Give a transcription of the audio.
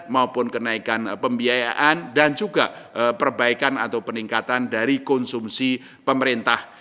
maupun kenaikan pembiayaan dan juga perbaikan atau peningkatan dari konsumsi pemerintah